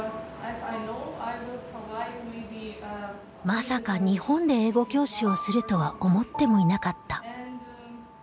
まさか日本で英語教師をするとは思ってもいなかった。